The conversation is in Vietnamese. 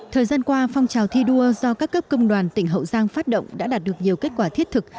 thời gian qua phong trào thi đua do các cấp công đoàn tỉnh hậu giang phát động đã đạt được nhiều kết quả thiết thực